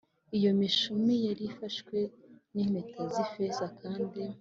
Iyo mishumi yari ifashwe n impeta z ifeza kandi